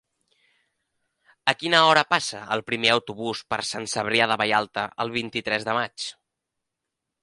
A quina hora passa el primer autobús per Sant Cebrià de Vallalta el vint-i-tres de maig?